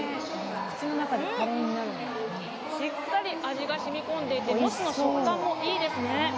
しっかり味がしみこんでいて、もつの食感もいいですね。